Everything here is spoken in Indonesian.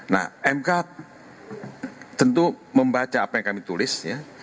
nah mk tentu membaca apa yang kami tulis ya